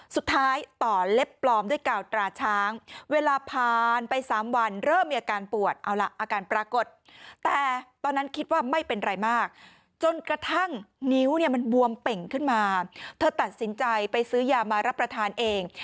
สุดท้ายต่อเล็บปลอมด้วยกาวตราช้างเวลาผ่านไป๓วันเริ่มมีอาการปวดเอาล่ะอาการปรากฏแต่ตอนนั้นคิดว่าไม่เป็นไรมากจนกระทั่งนิ้วเนี่ยมันบวมเป่งขึ้นมาเธอตัดสินใจไปซื้อยามารับประทานเอง